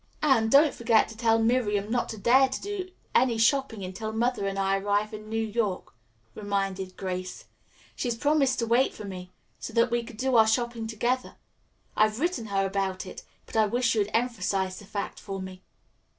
"Anne, don't forget to tell Miriam not to dare do any shopping until Mother and I arrive in New York," reminded Grace. "She promised to wait for me, so that we could do our shopping together. I've written her about it, but I wish you'd emphasize the fact for me."